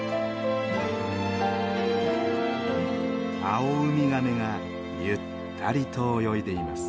アオウミガメがゆったりと泳いでいます。